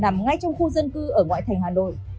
nằm ngay trong khu dân cư ở ngoại thành hà nội